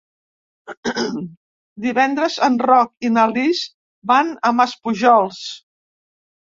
Divendres en Roc i na Lis van a Maspujols.